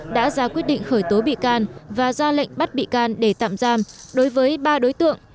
đã ra quyết định khởi tố bị can và ra lệnh bắt bị can để tạm giam đối với ba đối tượng